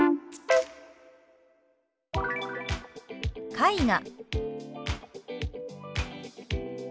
「絵画」。